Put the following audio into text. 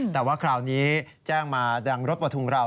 แต่ว่าคราวนี้แจ้งมาดังรถประทุงเรา